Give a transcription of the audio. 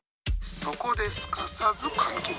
そこですかさず換気！